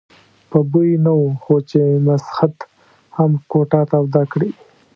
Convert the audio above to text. په بوی نه وو خو چې مسخد هم کوټه توده کړي.